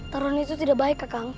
taruhan itu tidak baik kakak